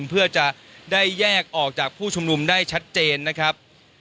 เพื่อจะได้แยกออกจากผู้ชุมนุมได้ชัดเจนนะครับ